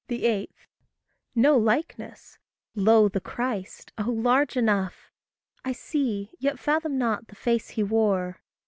8. No likeness? Lo, the Christ! Oh, large Enough! I see, yet fathom not the face he wore.